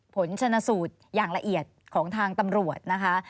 ผลชนสูตรอย่างละเอียดของทางตำรวจนะคะ